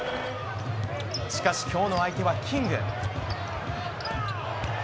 しかし、今日の相手はキング。